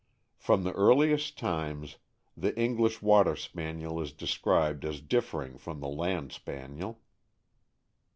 From the earliest times, the English Water Spaniel is de scribed as differing from the Land Spaniel.